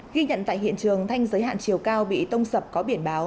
ghi nhận tại hiện trường thanh giới hạn chiều cao bị tông sập có biển báo